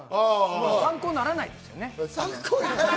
参考にならないですよね。